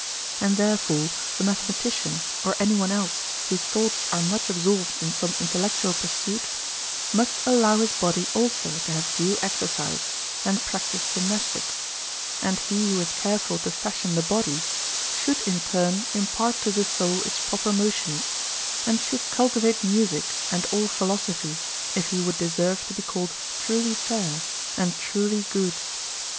And therefore the mathematician or any one else whose thoughts are much absorbed in some intellectual pursuit, must allow his body also to have due exercise, and practise gymnastic; and he who is careful to fashion the body, should in turn impart to the soul its proper motions, and should cultivate music and all philosophy, if he would deserve to be called truly fair and truly good.